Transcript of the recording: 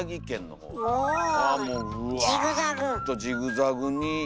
ほんとジグザグに。